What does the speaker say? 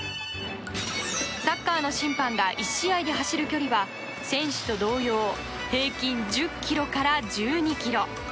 サッカーの審判が１試合で走る距離は選手と同様平均１０ｋｍから１２ｋｍ。